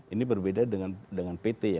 ini berbeda dengan pt ya